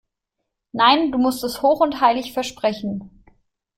Nein, du musst es hoch und heilig versprechen!